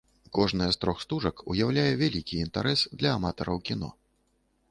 Кожная з трох стужак уяўляе вялікі інтарэс для аматараў кіно.